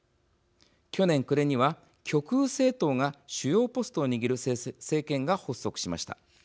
去年暮れには極右政党が主要ポストを握る政権が発足しました。